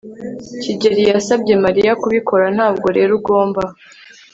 kigeri yasabye mariya kubikora, ntabwo rero ugomba